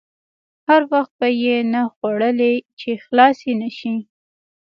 هر وخت به یې نه خوړلې چې خلاصې نه شي.